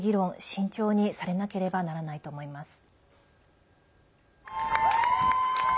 慎重にされなければならないと思います。